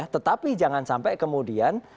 tetapi jangan sampai kemudian